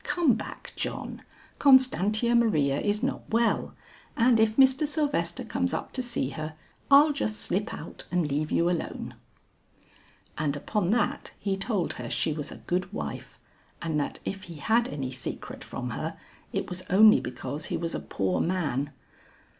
Come back, John; Constantia Maria is not well, and if Mr. Sylvester comes up to see her, I'll just slip out and leave you alone." And upon that he told her she was a good wife and that if he had any secret from her it was only because he was a poor man.